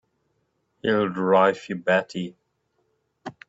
He'll drive you batty!